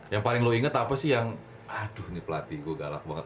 yang paling lo inget apa sih yang aduh ini pelatih gue galak banget